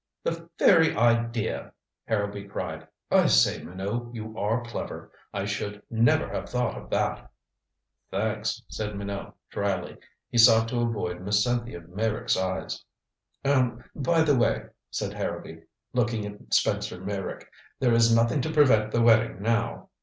"The very idea," Harrowby cried. "I say, Minot, you are clever. I should never have thought of that." "Thanks," said Minot dryly. He sought to avoid Miss Cynthia Meyrick's eyes. "Er by the way," said Harrowby, looking at Spencer Meyrick. "There is nothing to prevent the wedding now."